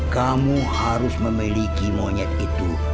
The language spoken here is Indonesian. kamu harus memiliki monyet itu